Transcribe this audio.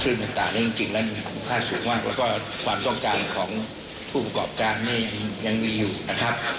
ซึ่งต่างจริงแล้วมีคุ้มค่าสูงมากแล้วก็ความต้องการของผู้ประกอบการนี่ยังมีอยู่นะครับ